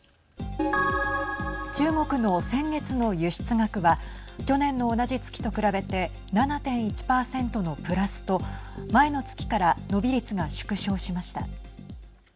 中国の先月の輸出額は去年の同じ月と比べて７．１％のプラスと前の月から伸び率が縮小しました。